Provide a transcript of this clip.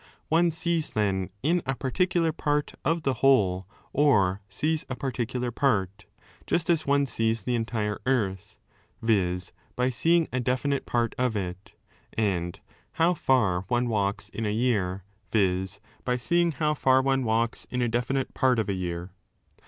One sees, then, in a particular part of the whole or sees a particular part, just as one sees the entire earth, viz. by seeing a definite part of it, and how far one walks in a year, viz. by seeing how far one walks in a definite part of a year.